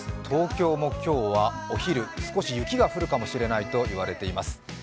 東京も今日はお昼、少し雪が降るかもしれないと言われています。